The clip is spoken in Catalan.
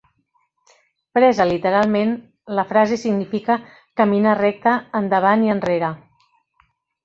Presa literalment, la frase significa caminar recte endavant i enrere.